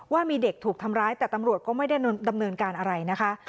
ว่ามีเด็กถูกทำร้ายแต่ตำรวจก็ไม่ได้ดำเนินการอะไรนะคะ